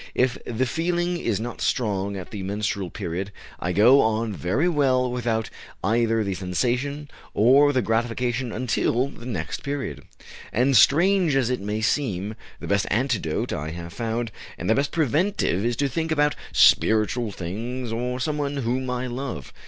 If the feeling is not strong at the menstrual period, I go on very well without either the sensation or the gratification until the next period. And, strange as it may seem, the best antidote I have found and the best preventive is to think about spiritual things or someone whom I love.